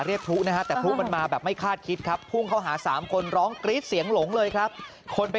อีกเรื่องที่บอกไว้นะคะ